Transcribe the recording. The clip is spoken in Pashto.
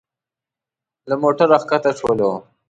له موټره ښکته شولو.